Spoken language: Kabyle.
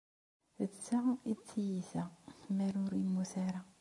D ta i d tiyita amer ur yemmut ara.